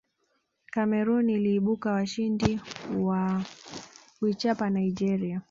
cameroon iliibuka washindi kwa kuichapa nigeria